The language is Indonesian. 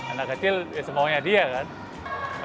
anak kecil ya semuanya dia kan